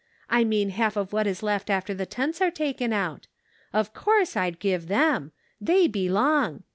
I mean half of what is left after the tenths are taken out: of course I'd give them; they belong.